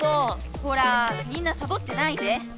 ほらみんなさぼってないで。